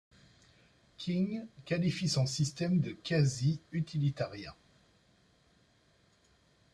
King qualifie son système de quasi-utilitarien.